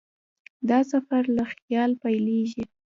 دا سفر له خیال پیلېږي.